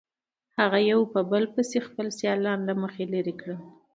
هغه یو په بل پسې خپل سیالان له مخې لرې کړل.